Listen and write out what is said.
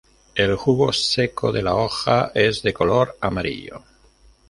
El jugo seco de la hoja es de color amarillo.